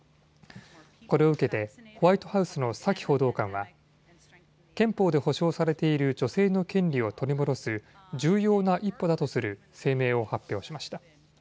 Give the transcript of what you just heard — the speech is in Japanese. これを受けてホワイトハウスのサキ報道官は憲法で保障されている女性の権利を取り戻す重要な一歩だとする声明を発表しました。